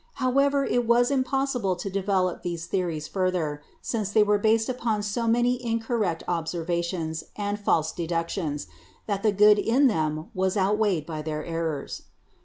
However, it was impossible to develop these theories further, since they were based upon so many incorrect observations and false deductions that the good in them was outweighed by their errors.